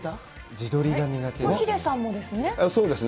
自撮りが苦手ですね。